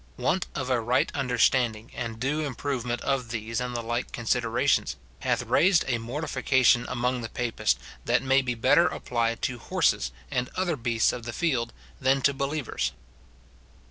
Want of a right understanding and due im provement of these and the like considerations, hath raised a mortification among the Papists that may be better applied to horses and other beasts of the field than to believers.